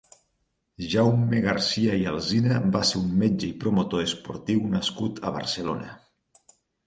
Jaume Garcia i Alsina va ser un metge i promotor esportiu nascut a Barcelona.